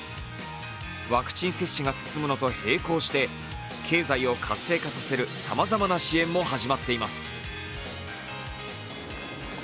ワクチン接種が進むのと並行して経済を活性化させるさまざまな支援も始まっています。